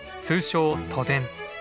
通称都電。